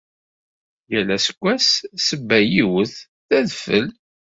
Yal asseggas sebba yiwet, d adfel.